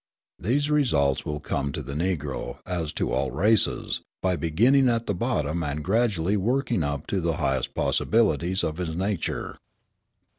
These results will come to the Negro, as to all races, by beginning at the bottom and gradually working up to the highest possibilities of his nature.